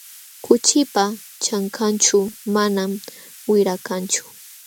Kuchipa ćhankanćhu manam wira kanchu.